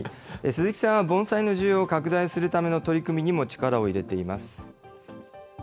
鈴木さんは、盆栽の需要を拡大するための取り組みにも力を入れています。